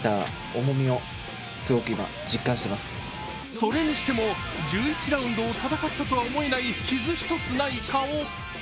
それにしても１１ラウンドを戦ったとは思えない傷一つない顔。